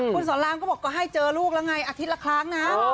คุณสอนรามก็บอกก็ให้เจอลูกแล้วไงอาทิตย์ละครั้งนะ